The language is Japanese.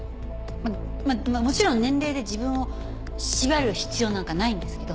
まあもちろん年齢で自分を縛る必要なんかないんですけど。